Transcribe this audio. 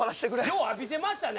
よう浴びてましたね。